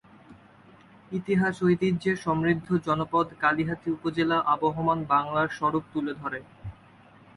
ইতিহাস ঐতিহ্যে সমৃদ্ধ জনপদ কালিহাতী উপজেলা আবহমান বাংলার স্বরূপ তুলে ধরে।